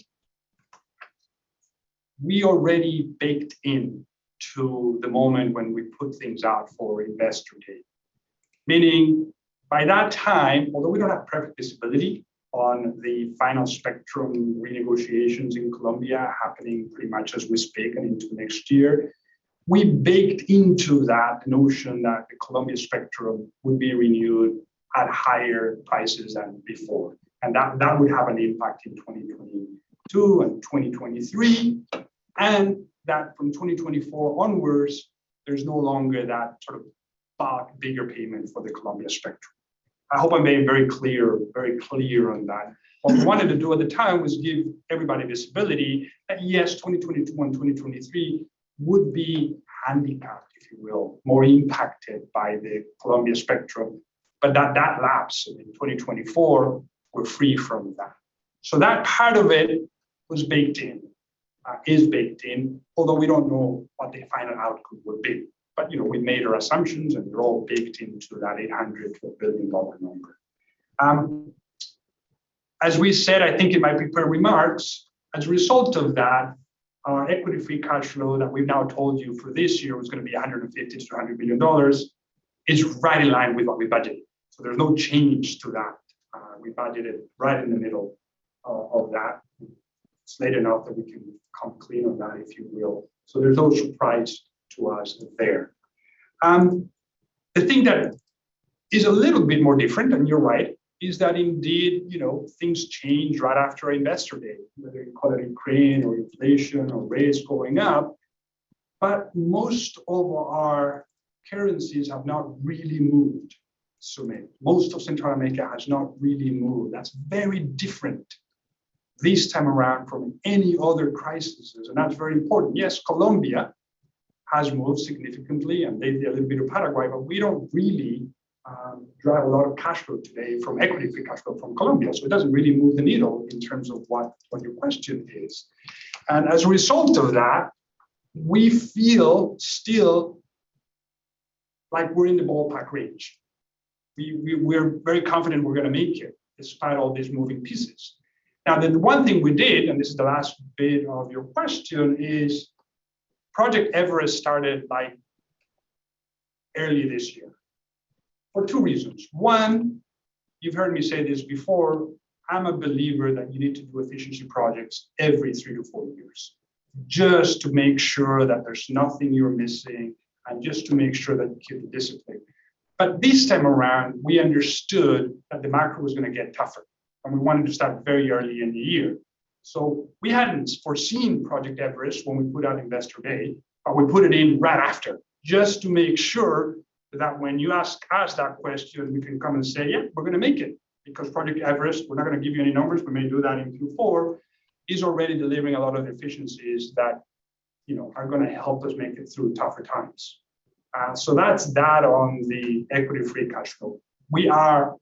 we already baked into the moment when we put things out for Investor Day. Meaning, by that time, although we don't have perfect visibility on the final spectrum renegotiations in Colombia happening pretty much as we speak and into next year, we baked into that notion that the Colombia spectrum would be renewed at higher prices than before, and that would have an impact in 2022 and 2023, and that from 2024 onwards, there's no longer that sort of bulk bigger payment for the Colombia spectrum. I hope I'm being very clear, very clear on that. What we wanted to do at the time was give everybody visibility that, yes, 2021, 2023 would be handicapped, if you will, more impacted by the Colombia spectrum, but that lapse in 2024, we're free from that. So that part of it was baked in, is baked in, although we don't know what the final outcome would be. You know, we made our assumptions, and they're all baked into that $800 million number. As we said, I think in my prepared remarks, as a result of that, our equity free cash flow that we've now told you for this year was gonna be $150 million-$200 million is right in line with what we budgeted. There's no change to that. We budgeted right in the middle of that. It's late enough that we can come clean on that, if you will. There's no surprise to us there. The thing that is a little bit more different, and you're right, is that indeed, you know, things changed right after Investor Day, whether you call it Ukraine or inflation or rates going up. Most of our currencies have not really moved so much. Most of Central America has not really moved. That's very different this time around from any other crises, and that's very important. Yes, Colombia has moved significantly and maybe a little bit of Paraguay, but we don't really drive a lot of cash flow today from equity free cash flow from Colombia. It doesn't really move the needle in terms of what your question is. As a result of that, we feel still like we're in the ballpark range. We're very confident we're gonna make it despite all these moving pieces. Now then, the one thing we did, and this is the last bit of your question, is Project Everest started by early this year for two reasons. One, you've heard me say this before, I'm a believer that you need to do efficiency projects every three to four years just to make sure that there's nothing you're missing and just to make sure that you keep the discipline. This time around, we understood that the market was gonna get tougher, and we wanted to start very early in the year. We hadn't foreseen Project Everest when we put out Investor Day, but we put it in right after just to make sure that when you ask us that question, we can come and say, "Yeah, we're gonna make it," because Project Everest, we're not gonna give you any numbers, we may do that in Q4, is already delivering a lot of efficiencies that, you know, are gonna help us make it through tougher times. That's that on the equity free cash flow. We are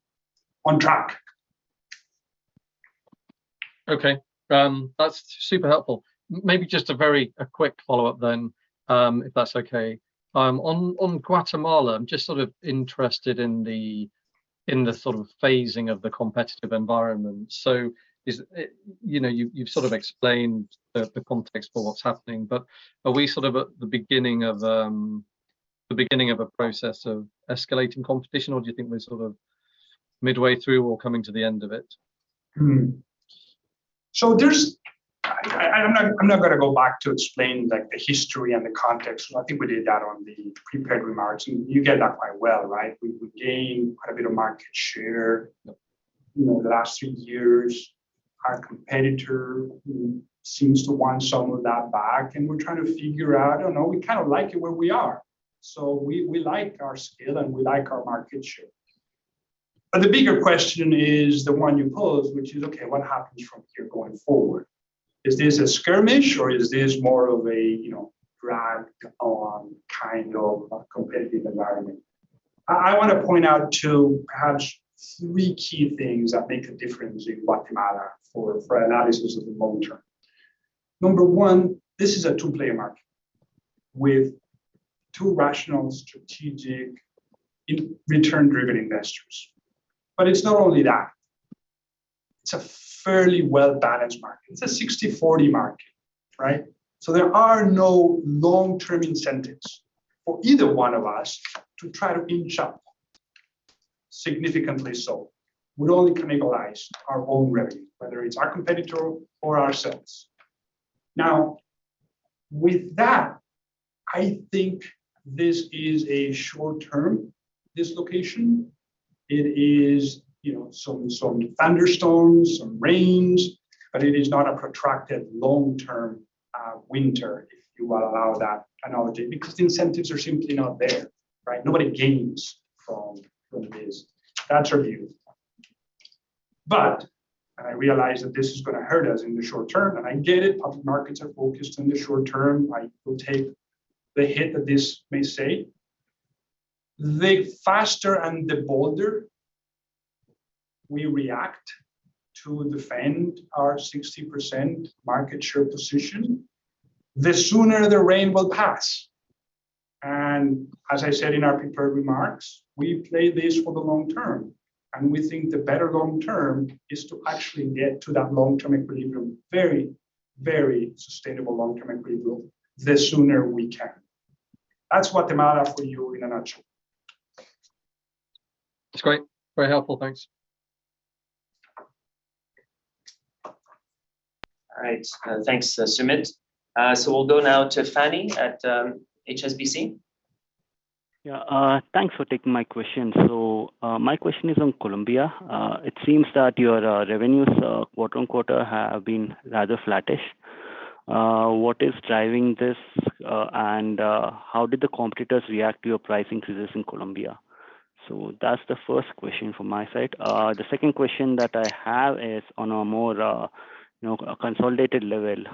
on track. Okay. That's super helpful. Maybe just a very quick follow-up then, if that's okay. On Guatemala, I'm just sort of interested in the sort of phasing of the competitive environment. Is it? You know, you've sort of explained the context for what's happening, but are we sort of at the beginning of a process of escalating competition, or do you think we're sort of midway through or coming to the end of it? I'm not gonna go back to explain, like, the history and the context. I think we did that on the prepared remarks, and you get that quite well, right? We gained quite a bit of market share, you know, over the last three years. Our competitor seems to want some of that back, and we're trying to figure out. I don't know. We kind of like it where we are. We like our scale, and we like our market share. But the bigger question is the one you posed, which is, "Okay, what happens from here going forward? Is this a skirmish, or is this more of a, you know, dragged on kind of a competitive environment?" I wanna point out to perhaps three key things that make a difference in Guatemala for analysis of the long term. Number one, this is a two-player market with two rational, strategic, return-driven investors. It's not only that. It's a fairly well-balanced market. It's a 60/40 market, right? There are no long-term incentives for either one of us to try to inch up significantly so. We'd only cannibalize our own revenue, whether it's our competitor or ourselves. Now, with that, I think this is a short-term dislocation. It is, you know, some thunderstorms, some rains, but it is not a protracted long-term winter, if you will allow that analogy, because the incentives are simply not there, right? Nobody gains from this. That's our view. I realize that this is gonna hurt us in the short term, and I get it, public markets are focused on the short term. I will take the hit that this may say. The faster and the bolder we react to defend our 60% market share position, the sooner the rain will pass. As I said in our prepared remarks, we've played this for the long term, and we think the better long term is to actually get to that long-term equilibrium, very, very sustainable long-term equilibrium, the sooner we can. That's what matters for you in a nutshell. That's great. Very helpful. Thanks. All right. Thanks, Soomit. We'll go now to Phani at HSBC. Thanks for taking my question. My question is on Colombia. It seems that your revenues quarter-on-quarter have been rather flattish. What is driving this, and how did the competitors react to your pricing increases in Colombia? That's the first question from my side. The second question that I have is on a more, you know, consolidated level.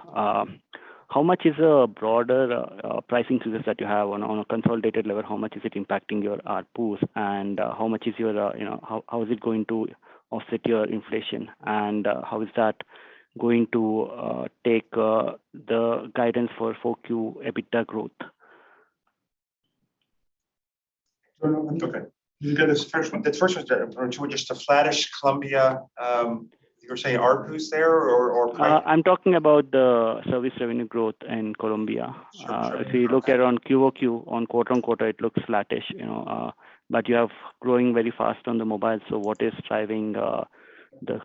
How much is a broader pricing increases that you have on a consolidated level? How much is it impacting your ARPU? And, you know, how is it going to offset your inflation? And how is that going to take the guidance for 4Q EBITDA growth? Okay. You get this first one? The first one was just a flattish Colombia, you're saying ARPU's there or price- I'm talking about the service revenue growth in Colombia. Sure, sure. If you look at QoQ, quarter-over-quarter, it looks flattish, you know. You have growing very fast on the mobile, so what is driving the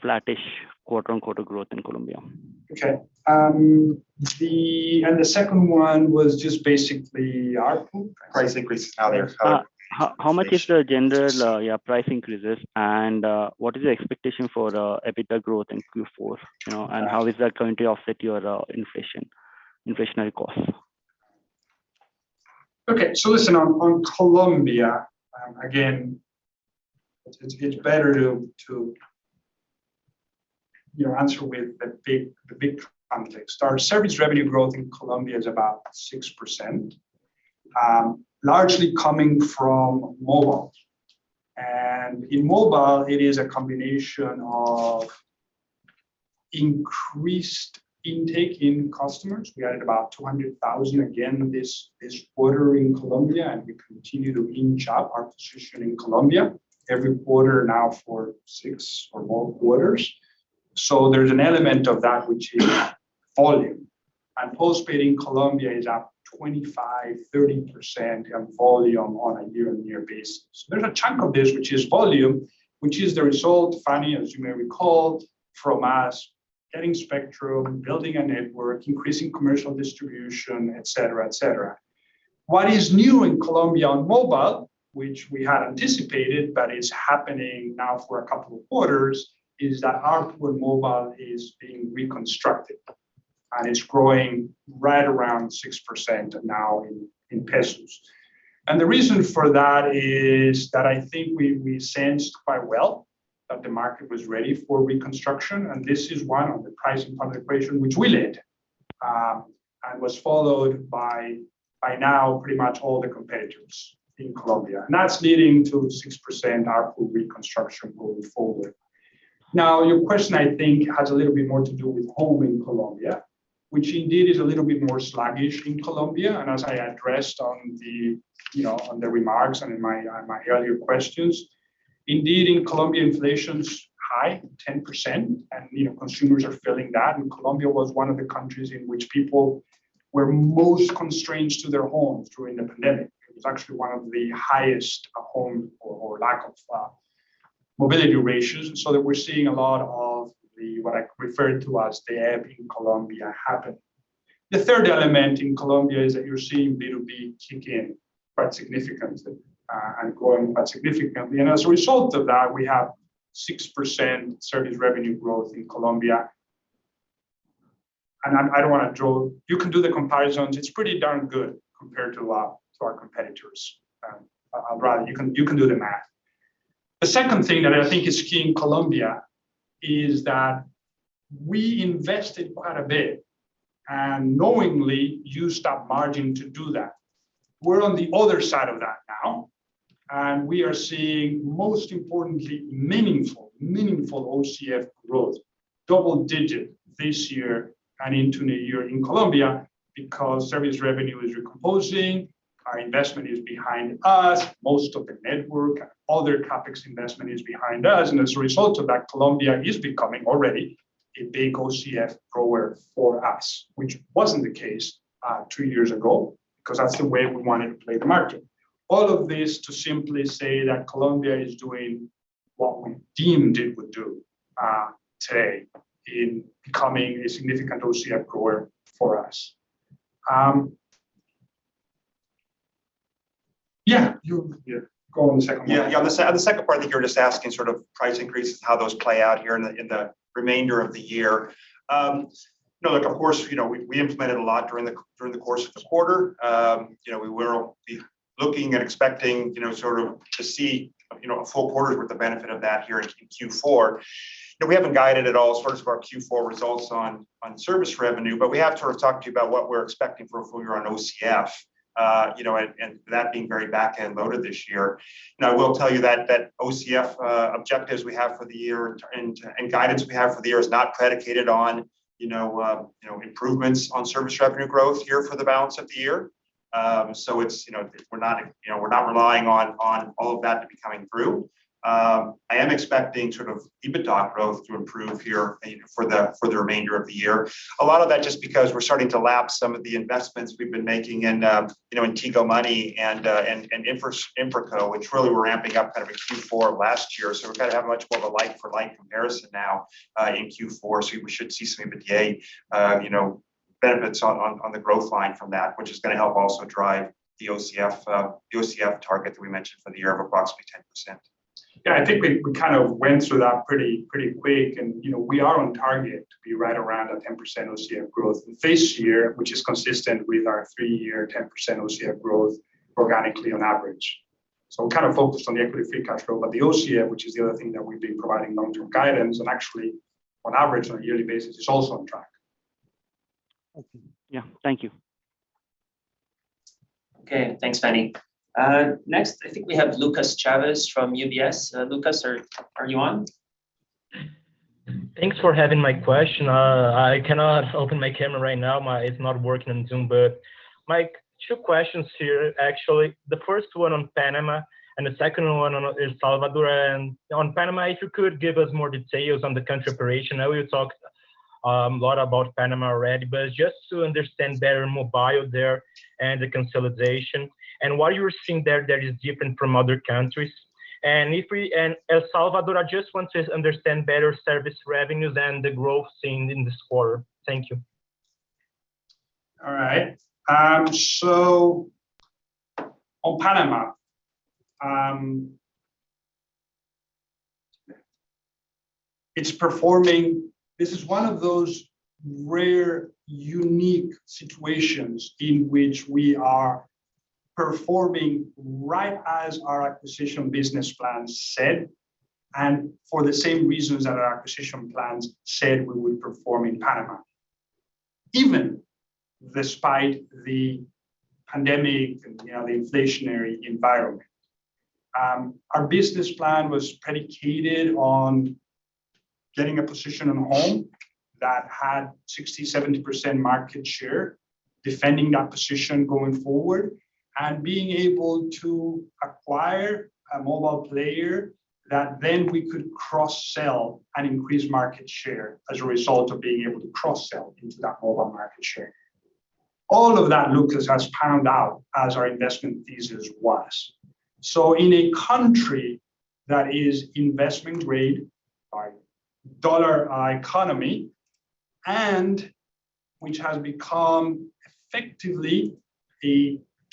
flattish quarter-over-quarter growth in Colombia? The second one was just basically ARPU price increase. How they affect- How much is the general price increases and what is the expectation for the EBITDA growth in Q4? You know, and how is that going to offset your inflationary costs? Okay. Listen, on Colombia, again, it's better to, you know, answer with the big context. Our service revenue growth in Colombia is about 6%, largely coming from mobile. In mobile, it is a combination of increased intake in customers. We added about 200,000 again this quarter in Colombia, and we continue to inch up our position in Colombia every quarter now for six or more quarters. There's an element of that which is volume. Post-paid in Colombia is up 25-30% in volume on a year-on-year basis. There's a chunk of this which is volume, which is the result, Phani, as you may recall, from us getting spectrum, building a network, increasing commercial distribution, et cetera, et cetera. What is new in Colombia on mobile, which we had anticipated, but is happening now for a couple of quarters, is that ARPU mobile is being reconstructed, and it's growing right around 6% now in pesos. The reason for that is that I think we sensed quite well that the market was ready for reconstruction, and this is one of the pricing part of the equation which we led, and was followed by now pretty much all the competitors in Colombia. That's leading to 6% ARPU reconstruction moving forward. Now, your question I think has a little bit more to do with home in Colombia, which indeed is a little bit more sluggish in Colombia. As I addressed on the remarks and in my earlier questions, indeed in Colombia, inflation's high, 10%, and consumers are feeling that. Colombia was one of the countries in which people were most constrained to their homes during the pandemic. It was actually one of the highest lack of mobility ratios. That we're seeing a lot of the what I referred to as the ebb in Colombia happen. The third element in Colombia is that you're seeing B2B kick in quite significantly and growing quite significantly. As a result of that, we have 6% service revenue growth in Colombia. I don't wanna draw. You can do the comparisons. It's pretty darn good compared to a lot of our competitors. Rather you can do the math. The second thing that I think is key in Colombia is that we invested quite a bit and knowingly used that margin to do that. We're on the other side of that now, and we are seeing most importantly, meaningful OCF growth, double-digit this year and into the year in Colombia because service revenue is recomposing, our investment is behind us, most of the network, other CapEx investment is behind us. As a result of that, Colombia is becoming already a big OCF grower for us, which wasn't the case, two years ago, 'cause that's the way we wanted to play the market. All of this to simply say that Colombia is doing what we deemed it would do, today in becoming a significant OCF grower for us. You go on the second one. Yeah, yeah. On the second part, I think you're just asking sort of price increases, how those play out here in the remainder of the year. No look, of course, you know, we implemented a lot during the course of the quarter. You know, we will be looking and expecting, you know, sort of to see, you know, a full quarter worth of benefit of that here in Q4. You know, we haven't guided at all in sort of our Q4 results on service revenue, but we have to sort of talk to you about what we're expecting for a full year on OCF. You know, and that being very back-end loaded this year. I will tell you that that OCF objectives we have for the year and guidance we have for the year is not predicated on, you know, improvements on service revenue growth here for the balance of the year. So it's, you know, we're not, you know, we're not relying on all of that to be coming through. I am expecting sort of EBITDA growth to improve here, you know, for the remainder of the year. A lot of that just because we're starting to lap some of the investments we've been making in, you know, in Tigo Money and Infraco, which really we're ramping up kind of in Q4 last year. We kind of have a much more of a like for like comparison now in Q4. We should see some EBITDA, you know, benefits on the growth line from that, which is gonna help also drive the OCF, the OCF target that we mentioned for the year of approximately 10%. Yeah, I think we kind of went through that pretty quick and, you know, we are on target to be right around 10% OCF growth this year, which is consistent with our three-year 10% OCF growth organically on average. We're kind of focused on the equity free cash flow, but the OCF, which is the other thing that we've been providing long-term guidance, and actually on average on a yearly basis is also on track. Okay. Yeah. Thank you. Okay. Thanks, Phani. Next I think we have Lucas Chavez from UBS. Lucas, are you on? Thanks for having my question. I cannot open my camera right now. It's not working on Zoom. Mauricio, two questions here, actually. The first one on Panama and the second one on El Salvador. On Panama, if you could give us more details on the country operation. I know you talked a lot about Panama already, but just to understand better mobile there and the consolidation and what you're seeing there that is different from other countries. El Salvador, I just want to understand better service revenue and the growth seen in this quarter. Thank you. All right. On Panama, it's performing. This is one of those rare, unique situations in which we are performing right as our acquisition business plan said, and for the same reasons that our acquisition plans said we would perform in Panama, even despite the pandemic and, you know, the inflationary environment. Our business plan was predicated on getting a position in home that had 60%-70% market share, defending that position going forward, and being able to acquire a mobile player that then we could cross-sell and increase market share as a result of being able to cross-sell into that mobile market share. All of that, Lucas, has panned out as our investment thesis was. In a country that is investment grade dollar economy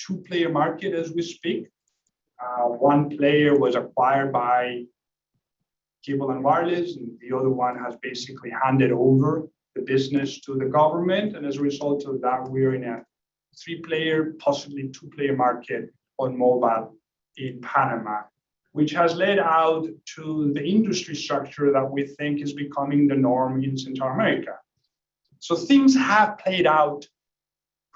and which has become effectively a two-player market as we speak, one player was acquired by Cable & Wireless, and the other one has basically handed over the business to the government. As a result of that, we are in a three-player, possibly two-player market on mobile in Panama, which has led to the industry structure that we think is becoming the norm in Central America. Things have played out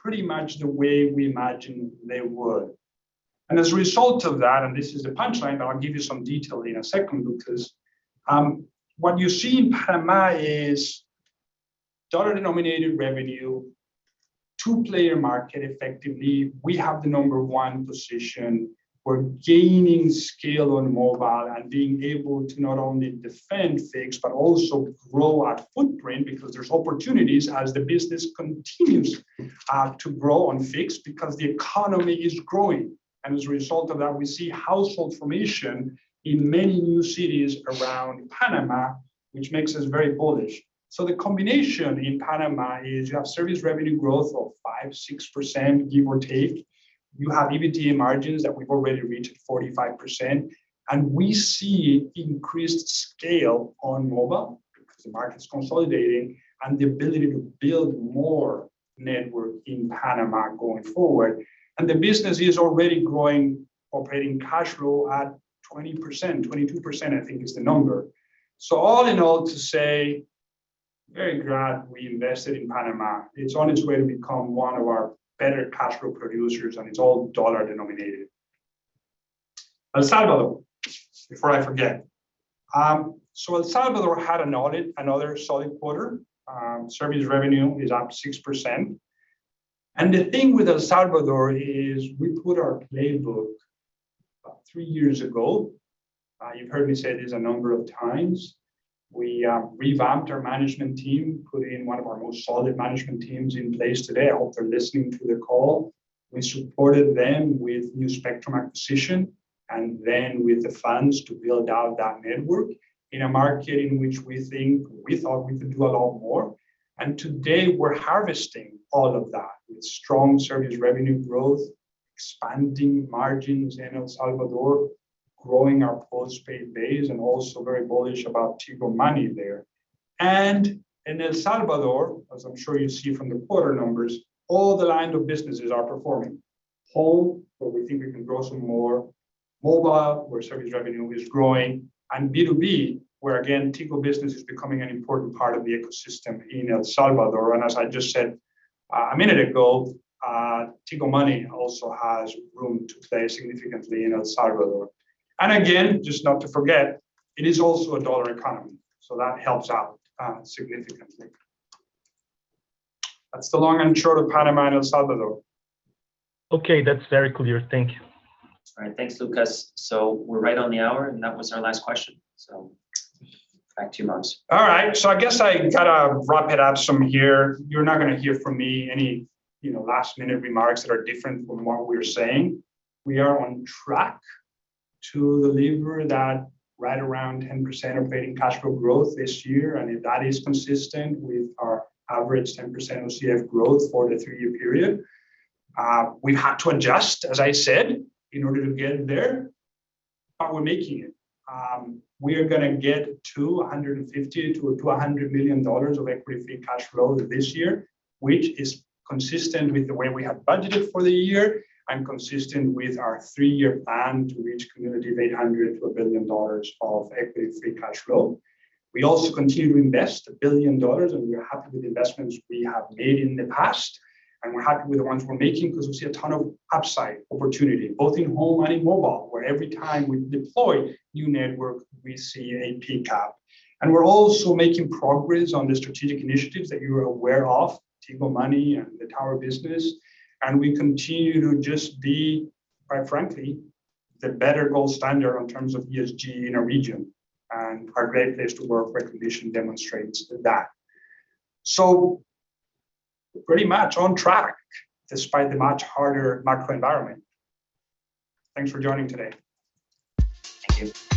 pretty much the way we imagined they would. As a result of that, and this is the punchline, but I'll give you some detail in a second, Lucas, what you see in Panama is dollar-denominated revenue, two-player market. Effectively, we have the number one position. We're gaining scale on mobile and being able to not only defend fixed, but also grow our footprint because there's opportunities as the business continues to grow on fixed because the economy is growing. As a result of that, we see household formation in many new cities around Panama, which makes us very bullish. The combination in Panama is you have service revenue growth of 5%-6%, give or take. You have EBITDA margins that we've already reached 45%, and we see increased scale on mobile because the market's consolidating and the ability to build more network in Panama going forward. The business is already growing operating cash flow at 20%. 22%, I think, is the number. All in all to say, very glad we invested in Panama. It's on its way to become one of our better cash flow producers, and it's all dollar-denominated. El Salvador, before I forget. El Salvador had another solid quarter. Service revenue is up 6%. The thing with El Salvador is we put our playbook about 3 years ago. You've heard me say this a number of times. We revamped our management team, put in one of our most solid management teams in place today. I hope they're listening to the call. We supported them with new spectrum acquisition and then with the funds to build out that network in a market in which we thought we could do a lot more. Today we're harvesting all of that with strong service revenue growth, expanding margins in El Salvador, growing our postpaid base, and also very bullish about Tigo Money there. In El Salvador, as I'm sure you see from the quarter numbers, all the lines of businesses are performing. Home, where we think we can grow some more. Mobile, where service revenue is growing. B2B, where again, Tigo Business is becoming an important part of the ecosystem in El Salvador. As I just said a minute ago, Tigo Money also has room to play significantly in El Salvador. Again, just not to forget, it is also a dollar economy, so that helps out significantly. That's the long and short of Panama and El Salvador. Okay, that's very clear. Thank you. All right. Thanks, Lucas. We're right on the hour, and that was our last question, so back to you, Mauricio. All right, I guess I gotta wrap it up from here. You're not gonna hear from me any, you know, last-minute remarks that are different from what we were saying. We are on track to deliver that right around 10% operating cash flow growth this year, and that is consistent with our average 10% OCF growth for the three-year period. We've had to adjust, as I said, in order to get there, but we're making it. We are gonna get to $150 million-$200 million of equity free cash flow this year, which is consistent with the way we have budgeted for the year and consistent with our three-year plan to reach cumulative $800 million-$1 billion of equity free cash flow. We also continue to invest $1 billion, and we are happy with the investments we have made in the past. We're happy with the ones we're making 'cause we see a ton of upside opportunity, both in home and in mobile, where every time we deploy new network, we see a pick up. We're also making progress on the strategic initiatives that you are aware of, Tigo Money and the tower business. We continue to just be, quite frankly, the better gold standard in terms of ESG in our region. Our great place to work recognition demonstrates that. Pretty much on track despite the much harder macro environment. Thanks for joining today. Thank you.